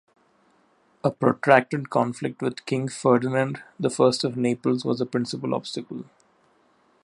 A protracted conflict with King Ferdinand the First of Naples was the principal obstacle.